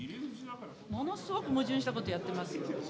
ものすごく矛盾したことやってますよ。